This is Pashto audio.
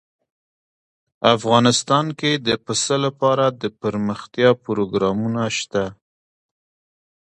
افغانستان کې د پسه لپاره دپرمختیا پروګرامونه شته.